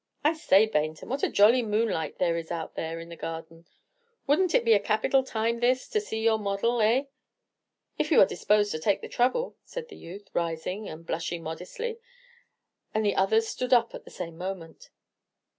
"I say, Baynton, what a jolly moonlight there is out there in the garden! Would n't it be a capital time this to see your model, eh?" "If you are disposed to take the trouble," said the youth, rising, and blushing modestly; and the others stood up at the same moment.